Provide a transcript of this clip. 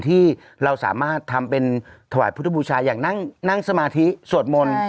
ที่เราสามารถทำเป็นถวายพุทธบูชาอย่างนั่งสมาธิสวดมนต์